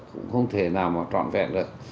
cũng không thể nào mà trọn vẹn được